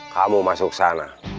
kamu masuk sana